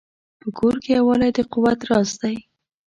په کور کې یووالی د قوت راز دی.